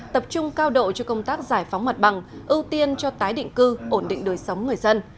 tập trung cao độ cho công tác giải phóng mặt bằng ưu tiên cho tái định cư ổn định đời sống người dân